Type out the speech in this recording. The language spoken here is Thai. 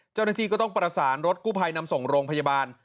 เจ้าหน้าที่ก็ต้องประสานรถกู้ภัยนำส่งโรงพยาบาล